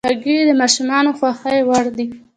خوږې د ماشومانو د خوښې وړ دي.